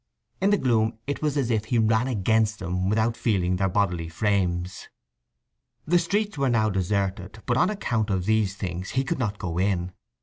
In the gloom it was as if he ran against them without feeling their bodily frames. The streets were now deserted, but on account of these things he could not go in.